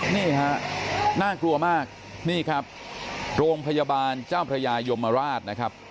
นี่ฮะน่ากลัวมากนี่ครับโรงพยาบาลเจ้าพระยายมราชนะครับ